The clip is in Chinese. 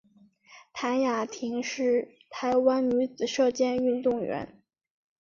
谭雅婷是台湾女子射箭运动员。